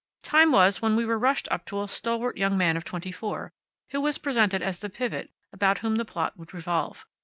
Time was when we were rushed up to a stalwart young man of twenty four, who was presented as the pivot about whom the plot would revolve.